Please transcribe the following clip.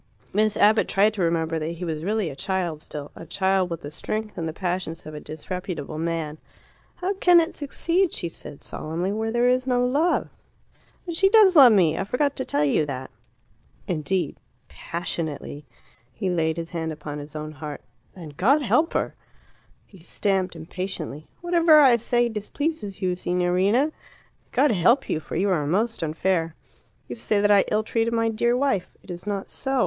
Miss Abbott tried to remember that he was really a child still a child with the strength and the passions of a disreputable man. "How can it succeed," she said solemnly, "where there is no love?" "But she does love me! I forgot to tell you that." "Indeed." "Passionately." He laid his hand upon his own heart. "Then God help her!" He stamped impatiently. "Whatever I say displeases you, Signorina. God help you, for you are most unfair. You say that I ill treated my dear wife. It is not so.